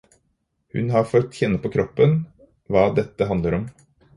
Hun har fått kjenne på kroppen hva dette handler om.